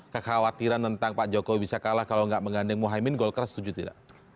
kekhawatiran tentang pak joko bisa kalah kalau enggak mengandeng muhyemine golkar setuju tidak